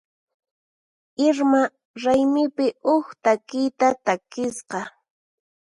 Irma raymipi huk takiyta takisqa.